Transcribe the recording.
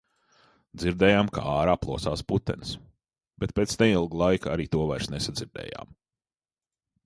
Dzirdējām, kā ārā plosās putenis, bet pēc neilga laika arī to vairs nesadzirdējām.